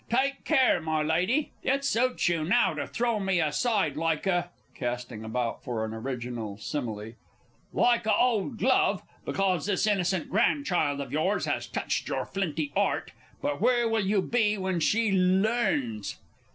Take care, my Lady. It suits you now to throw me aside like a (casting about for an original simile) like a old glove, because this innocent grandchild of yours has touched your flinty 'art. But where will you be when she learns